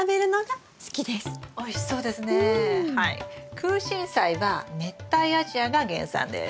クウシンサイは熱帯アジアが原産です。